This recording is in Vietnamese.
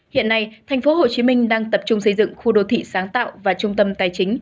hiện nay thành phố hồ chí minh đang tập trung xây dựng khu đô thị sáng tạo và trung tâm tài chính